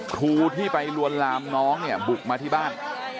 ทูที่ไปลวนลามน้องบุกมาที่บ้าน